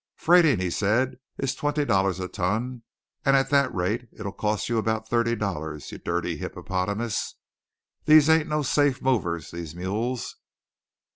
"Freightin'," said he, "is twenty dollars a ton; and at that rate it'll cost you about thirty dollars, you dirty hippopotamus. These ain't no safe movers, these mules!"